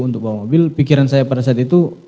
untuk bawa mobil pikiran saya pada saat itu